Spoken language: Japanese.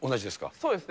そうですね。